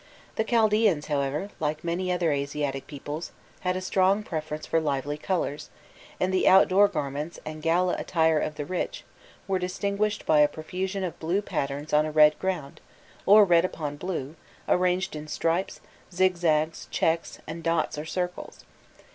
The Chaldaeans, however, like many other Asiatic peoples, had a strong preference for lively colours, and the outdoor garments and gala attire of the rich were distinguished by a profusion of blue patterns on a red ground, or red upon blue, arranged in stripes, zigzags, checks, and dots or circles.